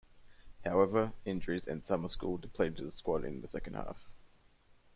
However, injuries and summer school depleted the squad in the second half.